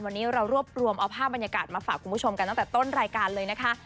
วันนี้เรารวบรวมเอาภาพบรรยากาศมาฝากคุณผู้ชมกันตั้งแต่ต้นรายการเลยนะคะ